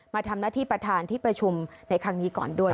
มาทำหน้าที่ประธานที่ประชุมในครั้งนี้ก่อนด้วย